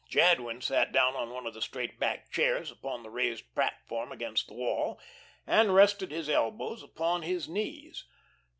Jadwin sat down on one of the straight backed chairs upon the raised platform against the wall and rested his elbows upon his knees.